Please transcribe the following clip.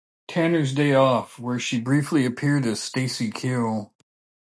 Tanner's Day Off, where she briefly appeared as Stacey Q.